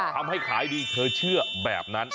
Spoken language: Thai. ทำให้ขายดีเธอเชื่อแบบนั้น